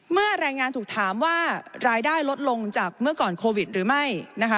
เมื่อแรงงานถูกถามว่ารายได้ลดลงจากเมื่อก่อนโควิดหรือไม่